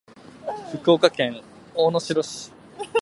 福岡県大野城市